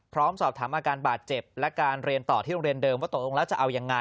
พร้อมสอบถามอาการบาดเจ็บและการเรียนต่อที่โรงเรียนเดิมว่าตกลงแล้วจะเอายังไง